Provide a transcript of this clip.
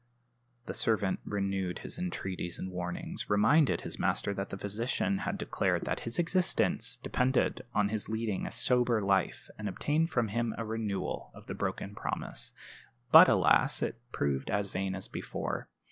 The servant renewed his entreaties and warnings; reminded his master that the physician had declared that his existence depended on his leading a sober life, and obtained from him a renewal of the broken promise. But alas! it proved as vain as before.